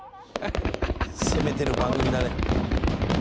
「攻めてる番組だね」